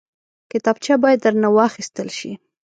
کتابچه باید درنه واخیستل شي